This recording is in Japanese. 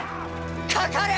かかれ！